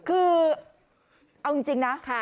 เอาจริงรักค่ะ